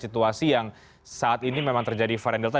situasi yang saat ini memang terjadi varian delta